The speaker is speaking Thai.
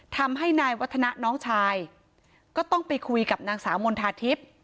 ทำให้นายวัฒนะน้องชายก็ต้องไปคุยกับนางสาวมณฑาทิพย์